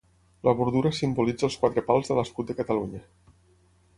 La bordura simbolitza els quatre pals de l'escut de Catalunya.